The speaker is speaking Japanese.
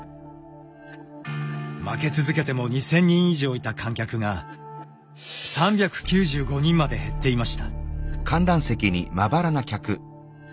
負け続けても２，０００人以上いた観客が３９５人まで減っていました。